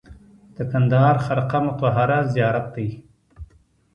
د کندهار خرقه مطهره زیارت دی